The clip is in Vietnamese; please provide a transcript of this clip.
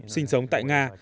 sinh sống tại nga